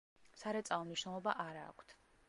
სარეწაო მნიშვნელობა არა აქვთ.